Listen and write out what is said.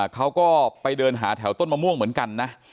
เขาก็ไปเดินหาแถวต้นมะม่วงเหมือนกันนะ